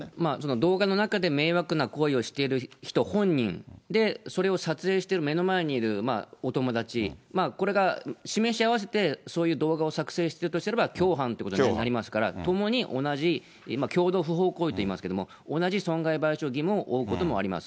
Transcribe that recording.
動画の中で迷惑な行為をしている人本人、それを撮影している目の前にいるお友達、これが示し合わせてそういう動画を作成しているとしたら、共犯ってことになりますから、ともに同じ共同不法行為といいますけれども、同じ損害賠償義務を負うこともあります。